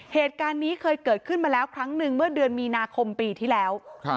เหตุการณ์นี้เคยเกิดขึ้นมาแล้วครั้งหนึ่งเมื่อเดือนมีนาคมปีที่แล้ว